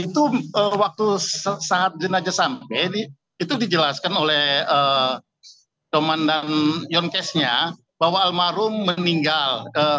itu waktu saat jenazah sampai itu dijelaskan oleh komandan yonkesnya bahwa almarhum meninggal